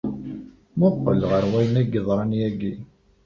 Mmuqqel ɣer wayen ay yeḍran yagi.